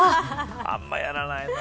あんまりやらないな。